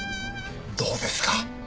どうですか？